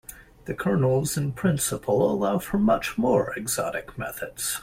The kernels in principle allow for much more exotic methods.